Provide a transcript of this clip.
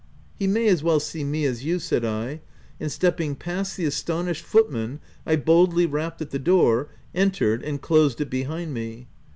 " He may as well see me as you," said I; and, stepping past the astonished footman, I boldly rapped at the door, entered, and closed it behind me.